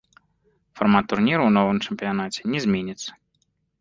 Фармат турніру ў новым чэмпіянаце не зменіцца.